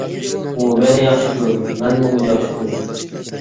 ئۇ مېنى ياخشى كۆرىدۇ، مەنمۇ ئۇنى ياخشى كۆرىمەن.